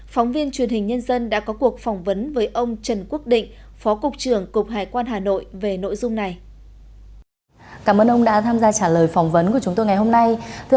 phóng viên truyền hình nhân dân đã có cuộc phỏng vấn với ông trần quốc định phó cục trưởng cục hải quan hà nội về nội dung này